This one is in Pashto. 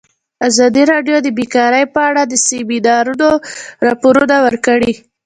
ازادي راډیو د بیکاري په اړه د سیمینارونو راپورونه ورکړي.